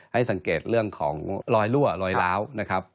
ให้สังเกตเรื่องของรอยรั่วรอยล้าวนะครับ